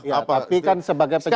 tapi kan sebagai pekerja